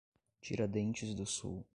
Tiradentes do Sul